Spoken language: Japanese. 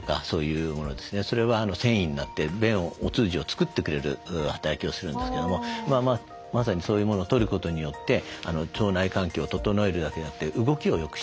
それは繊維になって便をお通じを作ってくれる働きをするんですけどもまさにそういうものをとることによって腸内環境を整えるだけでなくて動きをよくしてくれます。